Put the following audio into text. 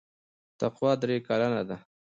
تقوا درې کلنه ده.